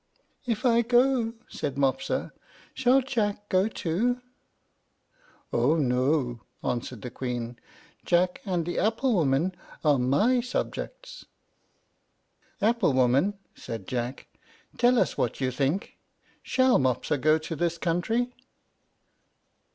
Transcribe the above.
"If I go," said Mopsa, "shall Jack go too?" "Oh, no," answered the Queen; "Jack and the apple woman are my subjects." "Apple woman," said Jack, "tell us what you think; shall Mopsa go to this country?"